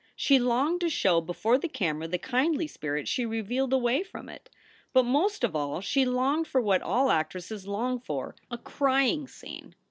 She longed to show before the camera the kindly spirit she revealed away from it. But most of all she longed for what all actresses long for a crying scene.